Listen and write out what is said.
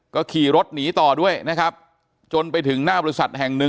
ก็ขี่รถหนีต่อด้วยนะครับจนไปถึงหน้าบริษัทแห่งหนึ่ง